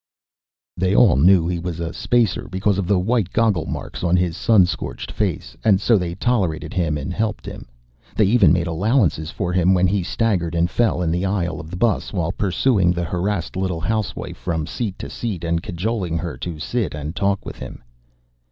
They all knew he was a spacer because of the white goggle marks on his sun scorched face, and so they tolerated him and helped him. They even made allowances for him when he staggered and fell in the aisle of the bus while pursuing the harassed little housewife from seat to seat and cajoling her to sit and talk with him.